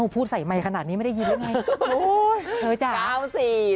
พูดใส่ใหม่ขนาดนี้ไม่ได้ยินหรือไง